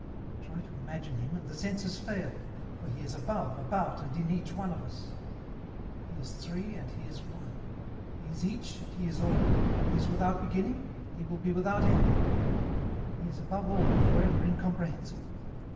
Try to imagine Him, and the senses fail, for He is above, about, and in each one of us. He is three and He is one ; He is each and He is all ; He is without beginning, and He will be without end ; He is above all and for ever incomprehensible.